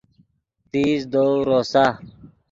تیز دؤ روسا